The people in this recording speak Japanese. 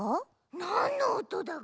なんのおとだぐ？